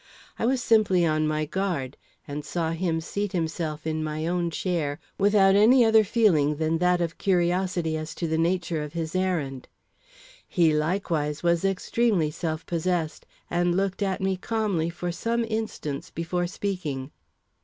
I was simply on my guard, and saw him seat himself in my own chair, without any other feeling than that of curiosity as to the nature of his errand. He likewise was extremely self possessed, and looked at me calmly for some instants before speaking.